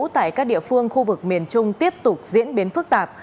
tại các địa phương khu vực miền trung tiếp tục diễn biến phức tạp